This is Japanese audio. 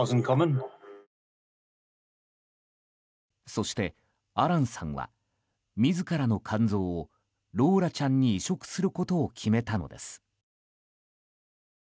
そして、アランさんは自らの肝臓をローラちゃんに移植することを決めたのです。